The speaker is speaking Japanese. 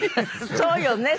そうよね。